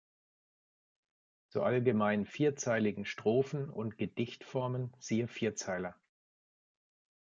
Zur allgemein vierzeiligen Strophen- und Gedichtformen siehe Vierzeiler.